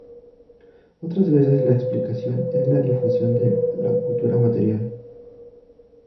Otras veces, la explicación es la difusión de la cultura material.